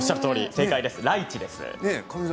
正解です、ライチです。